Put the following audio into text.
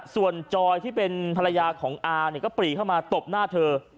ส่วนจอยที่เป็นภรรยาของอาก็ปลีมาตบหน้าเธอ